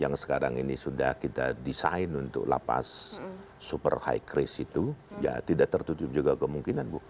yang sekarang ini sudah kita desain untuk lapas super high crace itu ya tidak tertutup juga kemungkinan bu